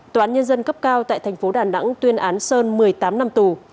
tòa án nhân dân cấp cao tại thành phố đà nẵng tuyên án sơn một mươi tám năm tù